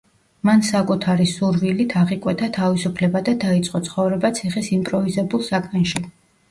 მან საკუთარი სურვილით აღიკვეთა თავისუფლება და დაიწყო ცხოვრება ციხის იმპროვიზებულ საკანში.